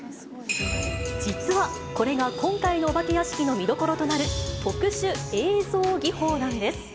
実は、これが今回のお化け屋敷の見どころとなる特殊映像技法なんです。